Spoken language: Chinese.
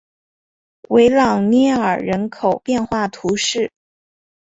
维朗涅尔人口变化图示